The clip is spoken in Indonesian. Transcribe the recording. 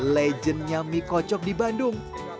legendnya mie kocok di bandung